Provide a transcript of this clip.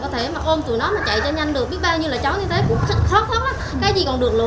thưa quý vị